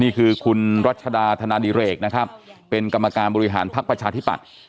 นี่คือคุณรัชดาธนาดิเรกนะครับเป็นกรรมการบริหารภักดิ์ประชาธิปัตย์